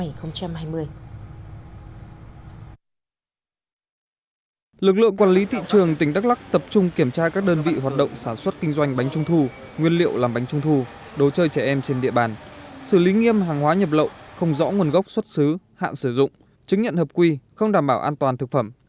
lực lượng quản lý thị trường tỉnh đắk lắc tập trung kiểm tra các đơn vị hoạt động sản xuất kinh doanh bánh trung thu nguyên liệu làm bánh trung thu đồ chơi trẻ em trên địa bàn xử lý nghiêm hàng hóa nhập lậu không rõ nguồn gốc xuất xứ hạn sử dụng chứng nhận hợp quy không đảm bảo an toàn thực phẩm